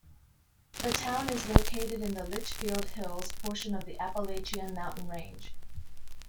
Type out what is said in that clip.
The town is located in the Litchfield Hills portion of the Appalachian mountain range.